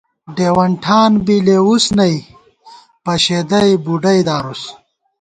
ڈېوَن ٹھان بی لېوُس نئ پشېدی بُڈئی دارُس